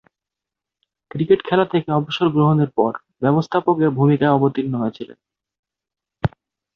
Cricket খেলা থেকে অবসর গ্রহণের পর ব্যবস্থাপকের ভূমিকায় অবতীর্ণ হয়েছিলেন।